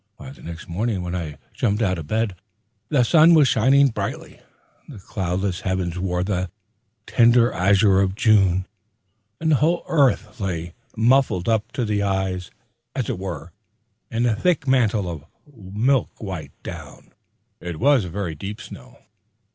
The next morning, when I jumped out of bed, the sun was shining brightly, the cloudless heavens wore the tender azure of June, and the whole earth lay muffled up to the eyes, as it were, in a thick mantle of milk white down. It was a very deep snow.